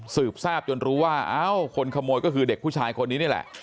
สืบทราบจนรู้ว่าเอ้าคนขโมยก็คือเด็กผู้ชายคนนี้นี่แหละ